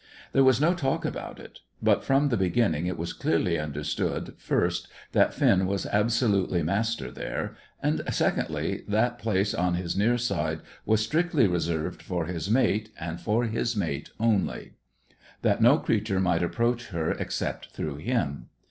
There was no talk about it; but from the beginning it was clearly understood, first, that Finn was absolutely master there, and, secondly, that place on his near side was strictly reserved for his mate, and for his mate only; that no creature might approach her except through him.